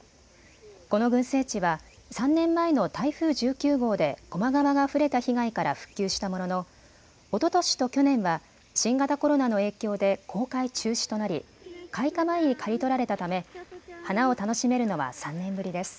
この群生地は３年前の台風１９号で高麗川があふれた被害から復旧したもののおととしと去年は新型コロナの影響で公開中止となり開花前に刈り取られたため花を楽しめるのは３年ぶりです。